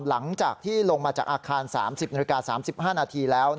หลังจากที่ลงมาจากอาคาร๓๐นาฬิกา๓๕นาทีแล้ว